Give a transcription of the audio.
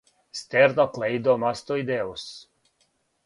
стерноклеидомастоидеус